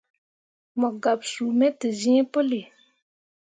Mo gaɓsuu me te zĩĩ puli.